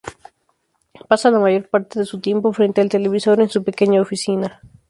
Pasa la mayor parte de su tiempo frente al televisor en su pequeña oficina.